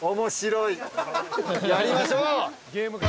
やりましょう。